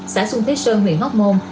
xã xuân thới sơn huyện hốc môn